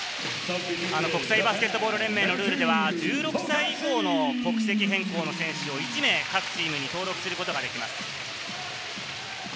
国際バスケットボール連盟のルールでは、１６歳以降の国籍変更の選手を１名、各チームに登録することができます。